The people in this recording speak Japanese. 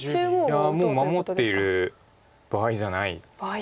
いやもう守ってる場合じゃない。